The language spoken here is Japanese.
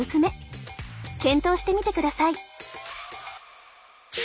検討してみてください。